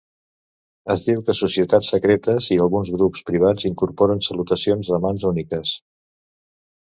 Es diu que societats secretes i alguns grups privats incorporen salutacions de mans úniques.